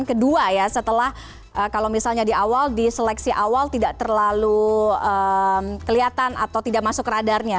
kedua ya setelah kalau misalnya di awal di seleksi awal tidak terlalu kelihatan atau tidak masuk radarnya